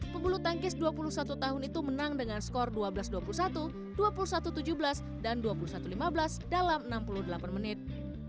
pembulu tangkis dua puluh satu tahun itu menang dengan skor dua belas dua puluh satu dua puluh satu tujuh belas dan dua puluh satu lima belas dalam enam puluh delapan menit